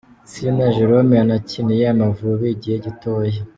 Sina Gerome yanakiniye Amavubi igihe gitoya.